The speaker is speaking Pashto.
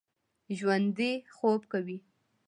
ژوندي خوب کوي